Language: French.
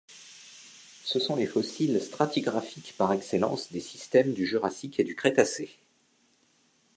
Ce sont les fossiles stratigraphiques par excellence des systèmes du Jurassique et du Crétacé.